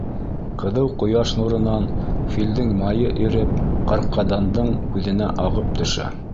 Ҡыҙыу ҡояш нурынан филдең майы иреп Ҡарҡаданндың күҙенә ағып төшә.